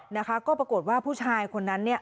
นะคะก็ปรากฏว่าผู้ชายคนนั้นเนี่ย